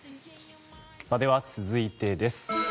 では、続いてです。